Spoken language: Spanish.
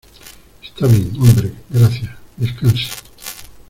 Está bien, hombre , gracias. Descanse .